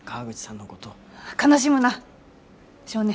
悲しむな少年。